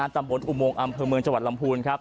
ตำบลอุโมงอำเภอเมืองจังหวัดลำพูนครับ